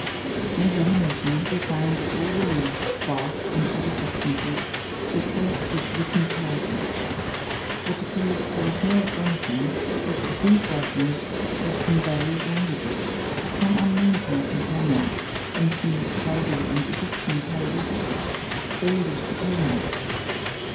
On examination, we found that all the leaves, bark, and other substances, were traced with written characters. What appeared to us more astonishing, was that these writings were expressed in various languages: some unknown to my companion, ancient Chaldee, and Egyptian hieroglyphics, old as the Pyramids.